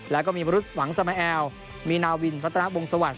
แล้วก็มีบรุษหวังสมแอลมีนาวินรัตนาวงศวรรค